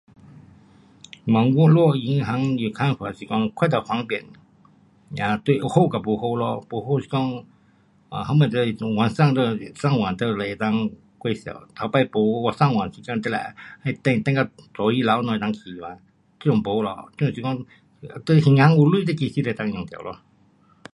um 我们银行的看法是讲过头方便。um 对有好和不好 um 不好是说什么事情晚上上网都是可以过数。以前没上网时间，还要那等，等到早起头我们人起来。这阵没咯，这阵是讲你的身上有钱就可以用掉了。